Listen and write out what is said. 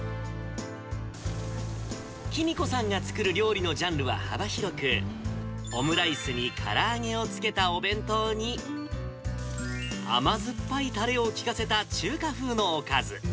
きみこさんが作る料理のジャンルは幅広く、オムライスにから揚げをつけたお弁当に、甘酸っぱいたれを効かせた中華風のおかず。